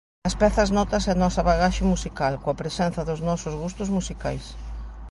Nas pezas nótase a nosa bagaxe musical, coa presenza dos nosos gustos musicais.